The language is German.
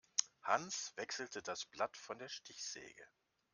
Hans wechselte das Blatt von der Stichsäge.